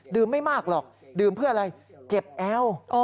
ไม่มากหรอกดื่มเพื่ออะไรเจ็บแอว